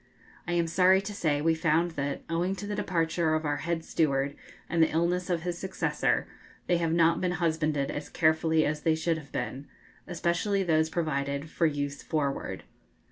I am sorry to say we found that, owing to the departure of our head steward and the illness of his successor, they have not been husbanded as carefully as they should have been, especially those provided for use forward.